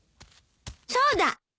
そうだ。